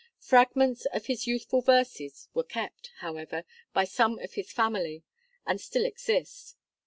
Fragments of his youthful verses were kept, however, by some of his family, and still exist.